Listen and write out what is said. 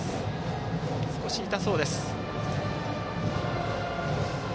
少し痛そうです。